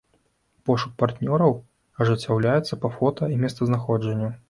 Пошук партнёраў ажыццяўляецца па фота і месцазнаходжанню.